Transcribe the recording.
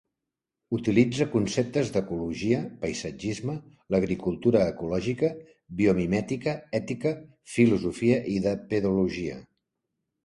Utilitza conceptes d'ecologia, paisatgisme, l'agricultura ecològica, biomimètica, ètica, filosofia i de pedologia.